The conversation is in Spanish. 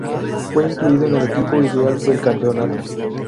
Fue incluido en el equipo ideal del Campeonato.